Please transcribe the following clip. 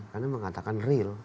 karena mengatakan real